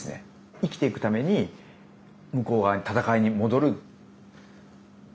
生きていくために向こう側に、戦いに戻る。